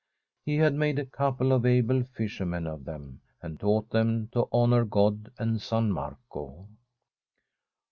He had made a couple of able fishermen of them, and taught them to honour God and San Marco.